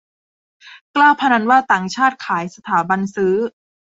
กล้าพนันว่าต่างชาติขาย สถาบันซื้อ